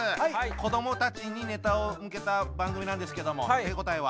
子どもたちにネタを向けた番組なんですけども手応えは？